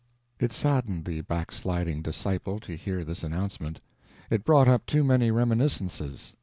It saddened the backsliding disciple to hear this announcement. It brought up too many reminiscences.